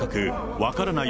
分からない。